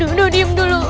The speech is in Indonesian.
aduh diam dulu